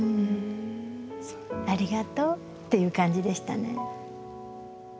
「ありがとう」っていう感じでしたね。